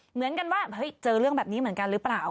เหมือนกันว่าเจอเรื่องแบบนี้เหมือนกันหรือเปล่า